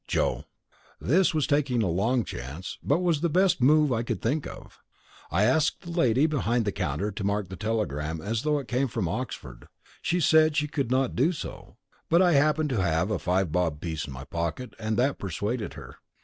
JOE. This was taking a long chance, but was the best move I could think of. I asked the lady behind the counter to mark the telegram as though it came from Oxford. She said she could not do so, but I happened to have a five bob piece in my pocket and that persuaded her.